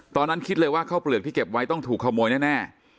ตอนนั้นคิดเลยว่าข้าวเปลือกที่เก็บไว้ต้องถูกขโมยแน่